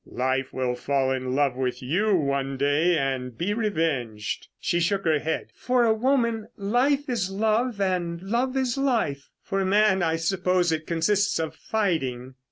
"Life will fall in love with you one day, and be revenged." She shook her head. "For a woman life is love, and love is life. For a man I suppose it consists of fighting....